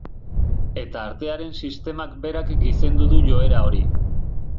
Eta artearen sistemak berak gizendu du joera hori.